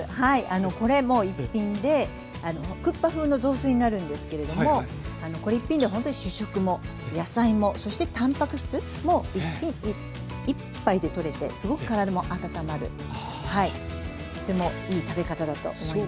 これもう一品でクッパ風の雑炊になるんですけれどもこれ一品でほんとに主食も野菜もそしてたんぱく質も１杯でとれてすごく体も温まるとてもいい食べ方だと思います。